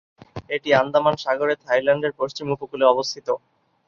এটি আন্দামান সাগরে থাইল্যান্ডের পশ্চিম উপকূলে অবস্থিত।